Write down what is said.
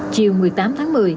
chiều một mươi tám tháng một mươi